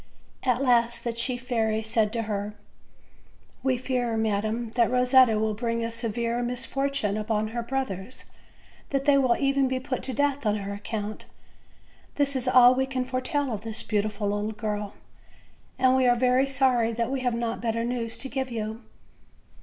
At last the chief fairy said to her: "We fear, madam, that Eosetta will bring a severe misfortune upon her brothers; that they will even be put to death on her account. This is all we can foretell of this beautiful little girl, and we are very sorry that we have not better news to give you."